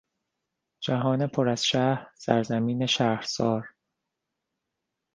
جهان پر از شهر، سرزمین شهرسار